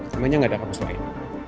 namanya gak ada kampus lain